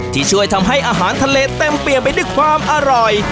ที่ช่วยทำให้อาหารทะเลเต็มเปลี่ยนไปด้วยความอร่อย